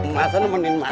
masa nemenin masak